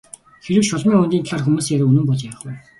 Хэрэв Шулмын хөндийн талаарх хүмүүсийн яриа үнэн бол яах вэ?